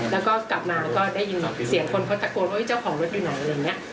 แล้วก็กลับมาก็ได้ยินเสียงคนเขาตะโกนว่าเจ้าของรถอยู่ไหนอะไรอย่างนี้